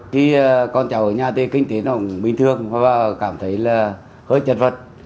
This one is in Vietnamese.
khi con cháu ở nhà thì kinh tế nó bình thường và cảm thấy là hơi chật vật